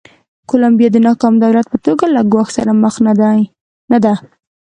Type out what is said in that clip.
کولمبیا د ناکام دولت په توګه له ګواښ سره مخ نه ده.